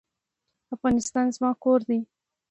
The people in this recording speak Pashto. افغانستان زما کور دی؟